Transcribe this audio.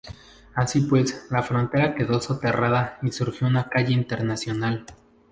Así pues, la frontera quedó soterrada, y surgió una calle internacional.